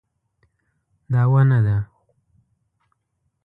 دا ونه ده